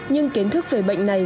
nhưng kiến thức về bệnh này